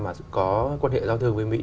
mà có quan hệ giao thương với mỹ